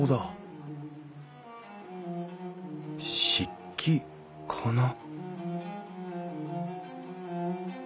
漆器かな？